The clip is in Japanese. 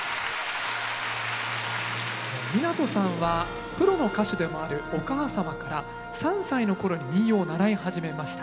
湊さんはプロの歌手でもあるお母様から３歳のころに民謡を習い始めました。